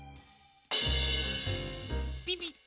ピピッ。